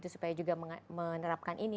supaya juga menerapkan ini